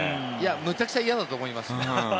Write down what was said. むちゃくちゃ嫌だと思います。